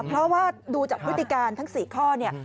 เพราะว่าดูจากพฤติกรรมมีทั้ง๔ข้อ